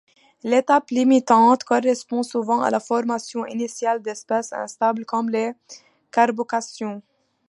L'étape limitante correspond souvent à la formation initiale d'espèces instables comme les carbocations.